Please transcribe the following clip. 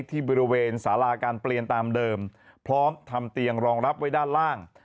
ที่บริเวณสาราการเปลี่ยนตามเดิมพร้อมทำเตียงรองรับไว้ด้านล่าง